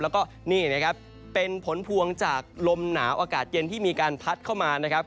แล้วก็นี่นะครับเป็นผลพวงจากลมหนาวอากาศเย็นที่มีการพัดเข้ามานะครับ